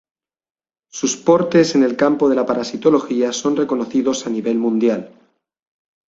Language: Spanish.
Sus portes en el campo de la parasitología son reconocidos a nivel mundial.